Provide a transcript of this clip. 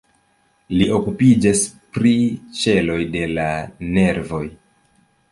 Li okupiĝas pri ĉeloj de la nervoj.